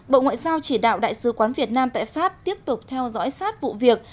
bộ ngoại giao chỉ đạo đại sứ quán việt nam tại pháp tiếp tục theo dõi sát vụ việc